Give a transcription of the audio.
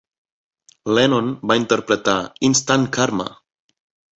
Lennon va interpretar "Instant Karma!".